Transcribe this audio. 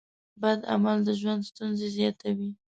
بد عمل د ژوند ستونزې زیاتوي.